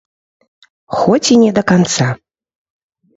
Хоць і не да канца.